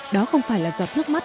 đó không phải là giọt nước mắt